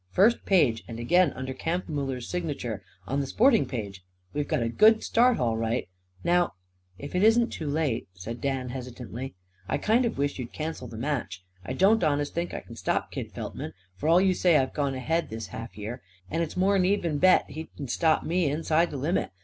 "First page; and again, under Kampfmuller's sign'ture, on the sporting page. We've got a good start, all right. Now " "If it isn't too late," said Dan hesitantly, "I kind of wish you'd cancel the match. I don't honest think I c'n stop Kid Feltman; for all you say I've gone ahead this half year. And it's more'n an even bet he c'n stop me inside the limit.